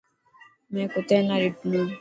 مين ڪتي نا ڏنو.